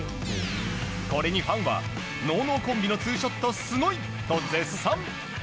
これにファンはノーノーコンビのツーショットすごい！と絶賛。